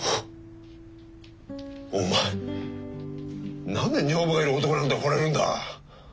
おお前何で女房がいる男なんて惚れるんだ！